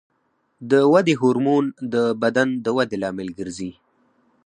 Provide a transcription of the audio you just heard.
د ودې هورمون د بدن د ودې لامل ګرځي.